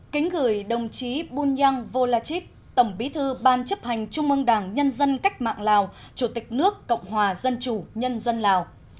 kính gửi đồng chí bunyang volachit tổng bí thư ban chấp hành trung ương đảng nhân dân cách mạng lào chủ tịch nước cộng hòa dân chủ nhân dân lào